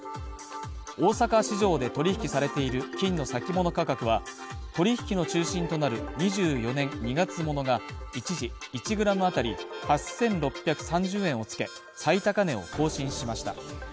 大阪市場で取引されている金の先物価格は取引の中心となる２４年２月ものが一時１ｇ当たり８６３０円を付け、最高値を更新しました。